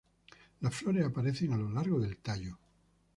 Las flores aparecen a lo largo del tallo.